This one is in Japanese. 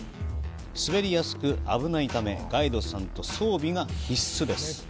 滑りやすく危ないため、ガイドさんと装備が必須です。